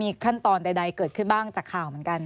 มีขั้นตอนใดเกิดขึ้นบ้างจากข่าวเหมือนกัน